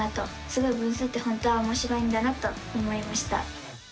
すごい分数って本当はおもしろいんだなと思いました！